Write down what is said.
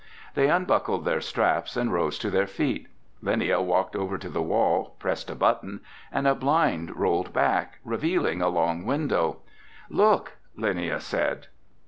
They unbuckled their straps and rose to their feet. Linnia walked over to the wall, pressed a button, and a blind rolled back, revealing a long window. "Look," Linnia said.